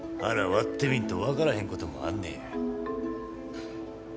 割ってみんと分からへんこともあんねや。